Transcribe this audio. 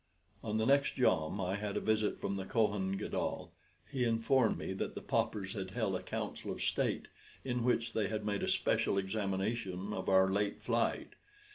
On the next jom I had a visit from the Kohen Gadol. He informed me that the paupers had held a Council of State, in which they had made a special examination of our late flight.